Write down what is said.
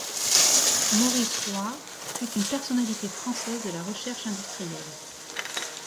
Maurice Roy fut une personnalité française de la recherche industrielle.